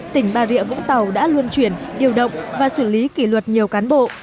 tỉnh bà rịa vũng tàu đã luân chuyển điều động và xử lý kỷ luật nhiều cán bộ